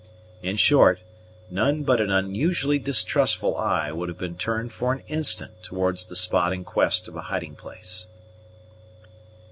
In short, none but an unusually distrustful eye would have been turned for an instant towards the spot in quest of a hiding place.